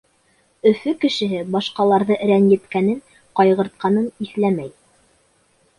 Өфө кешеһе башҡаларҙы рәнйеткәнен, ҡайғыртҡанын иҫләмәй.